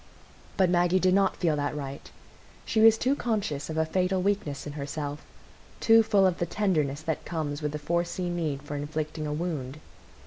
But Maggie did not feel that right; she was too conscious of fatal weakness in herself, too full of the tenderness that comes with the foreseen need for inflicting a wound.